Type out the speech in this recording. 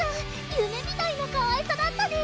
夢みたいなかわいさだったね